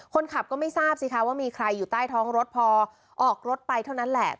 คนขับก็ไม่ทราบสิคะว่ามีใครอยู่ใต้ท้องรถพอออกรถไปเท่านั้นแหละ